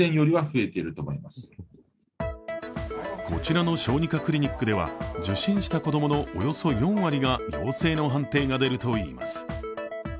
こちらの小児科クリニックでは、受診した子供のおよそ４割が陽性の判定が出るといいます。